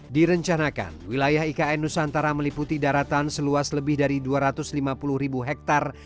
direncanakan wilayah ikn nusantara meliputi daratan seluas lebih dari dua ratus lima puluh ribu hektare